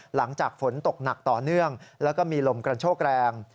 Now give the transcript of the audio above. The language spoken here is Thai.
หลังจากฝนตกหนักต่อเนื่องแล้วก็มีลมกระโชกแรง